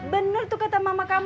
benar tuh kata mama kamu